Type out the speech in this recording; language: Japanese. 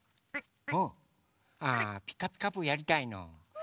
あ「ピカピカブ！」やりたいの？